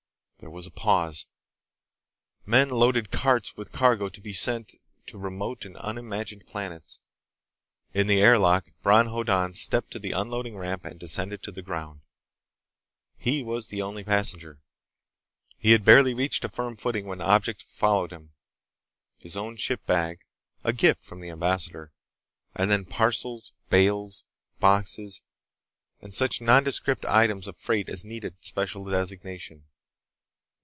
There was a pause. Men loaded carts with cargo to be sent to remote and unimagined planets. In the air lock, Bron Hoddan stepped to the unloading ramp and descended to the ground. He was the only passenger. He had barely reached a firm footing when objects followed him. His own ship bag—a gift from the ambassador—and then parcels, bales, boxes, and such nondescript items of freight as needed special designation.